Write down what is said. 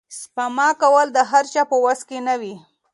سپما کول د هر چا په وس کې نه وي.